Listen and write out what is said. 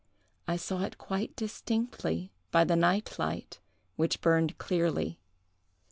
I saw it quite distinctly by the night light, which burned clearly.